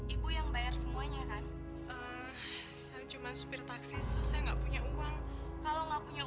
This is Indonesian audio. ibu yang bayar semuanya kan saya cuma supir taksi susah nggak punya uang kalau enggak punya